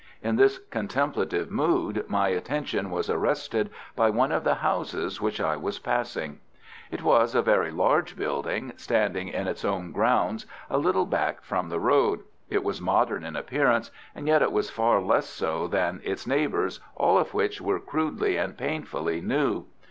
In this contemplative mood, my attention was arrested by one of the houses which I was passing. It was a very large building, standing in its own grounds, a little back from the road. It was modern in appearance, and yet it was far less so than its neighbours, all of which were crudely and painfully new.